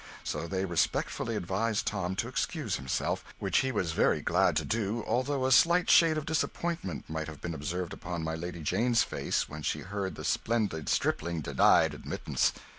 So they respectfully advised Tom to excuse himself, which he was very glad to do, although a slight shade of disappointment might have been observed upon my Lady Jane's face when she heard the splendid stripling denied admittance.